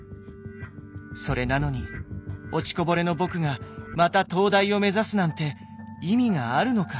それなのに落ちこぼれの僕がまた東大を目指すなんて意味があるのか。